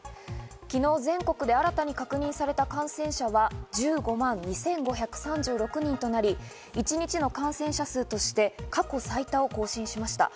昨日、全国で新たに確認された感染者は１５万２５３６人となり、一日の感染者数として過去最多を更新しました。